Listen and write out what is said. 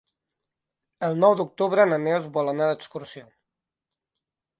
El nou d'octubre na Neus vol anar d'excursió.